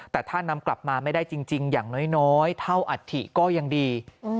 แต่ถ้านำกลับมาไม่ได้จริงอย่างน้อยเท่าอัฐิก็ยังดี